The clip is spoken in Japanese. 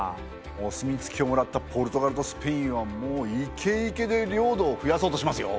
お墨付きをもらったポルトガルとスペインはもうイケイケで領土を増やそうとしますよ。